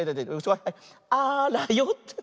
あらよって。